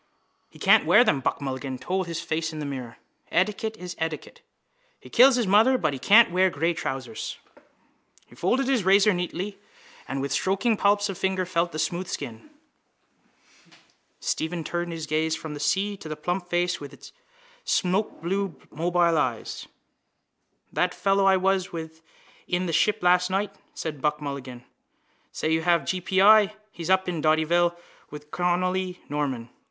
—He can't wear them, Buck Mulligan told his face in the mirror. Etiquette is etiquette. He kills his mother but he can't wear grey trousers. He folded his razor neatly and with stroking palps of fingers felt the smooth skin. Stephen turned his gaze from the sea and to the plump face with its smokeblue mobile eyes. —That fellow I was with in the Ship last night, said Buck Mulligan, says you have g. p. i. He's up in Dottyville with Connolly Norman.